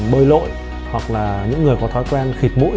bơi lội hoặc là những người có thói quen khịt mũi